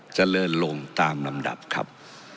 เจริญลงตามลำดับครับ